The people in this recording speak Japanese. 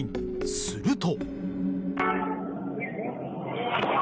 すると。